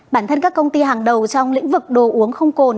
bản thân các công ty hàng đầu trong lĩnh vực đồ uống không cồn